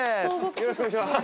よろしくお願いします。